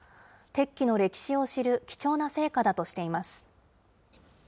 鉄器の歴史を知る貴重な成果だとしています。